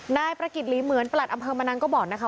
นายประกิจหลีเหมือนประหลัดอำเภอมะนังก็บอกนะคะ